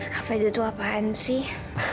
kepada itu apaan sih